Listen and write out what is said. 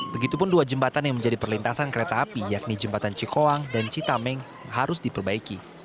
begitupun dua jembatan yang menjadi perlintasan kereta api yakni jembatan cikoang dan citameng harus diperbaiki